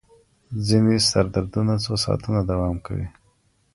ځینې سردردونه څو ساعتونه دوام کوي.